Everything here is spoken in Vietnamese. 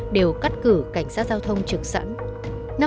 đều cắt cử cảnh sát giao thông trực sẵn